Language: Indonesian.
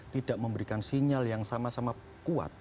tidak memberikan sinyal yang sama sama kuat